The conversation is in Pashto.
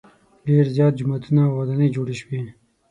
ډېر زیات جوماتونه او ودانۍ جوړې شوې.